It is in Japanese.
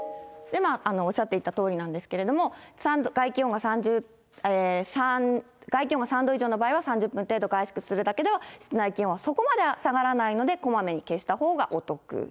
おっしゃっていたとおりなんですけれども、外気温が３度以上の場合は３０分程度外出するだけでは室内気温はそこまでは下がらないのでこまめに消したほうがお得。